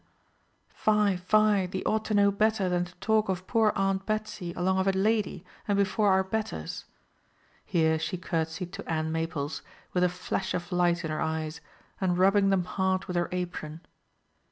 Fie, fie, thee ought to know better than to talk of poor Aunt Betsy along of a lady, and before our betters." Here she curtsied to Ann Maples, with a flash of light in her eyes, and rubbing them hard with her apron.